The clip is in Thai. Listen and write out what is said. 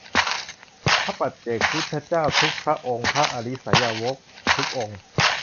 พระปัจเจกพุทธเจ้าทุกพระองค์ พระอริยสาวกทุกองค์